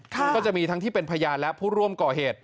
ก็จะมีทั้งที่เป็นพยานและผู้ร่วมก่อเหตุ